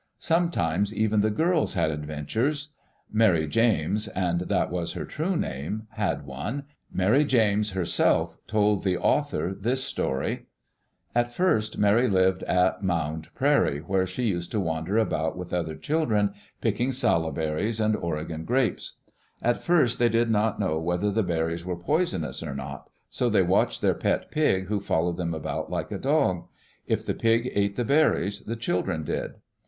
Sometimes even the girls had adventures. Mary James, and that was her true name, had one. Mary James herself told the author this story: Digitized by CjOOQ IC EARLT DAYS IN OLD OREGON At first, Mary lived at Mound Prairie, where she used to wander about with other children picking salal berries and Oregon grapes. At first they did not know whether the berries were poisonous or not, so they watched their pet pig who followed them about like a dog. If the pig ate the berries, the children did.